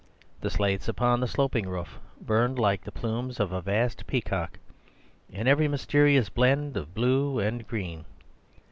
The slates upon the sloping roof burned like the plumes of a vast peacock, in every mysterious blend of blue and green.